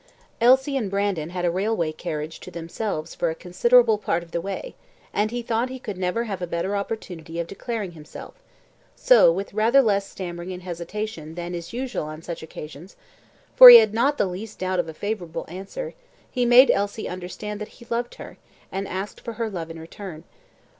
Elsie and Brandon had a railway carriage to themselves for a considerable part of the way; and he thought he never could have a better opportunity of declaring himself; so, with rather less stammering and hesitation than is usual on such occasions for he had not the least doubt of a favourable answer he made Elsie understand that he loved her, and asked for her love in return.